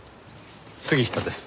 杉下です。